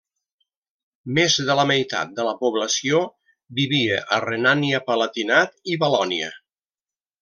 Més de la meitat de la població vivia a Renània-Palatinat i Valònia.